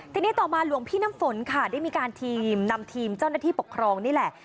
ทีนี้ต่อมาหลวงพี่น้ำฝนค่ะได้มีการทีมนำทีมเจ้าหน้าที่ปกครองนี่แหละ